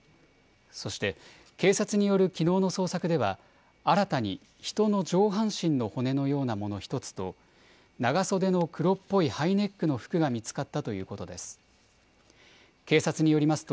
そして、警察によるきのうの捜索では、新たに人の上半身の骨のようなもの１つと、長袖の黒っぽいハイネックの服が見つかったということです。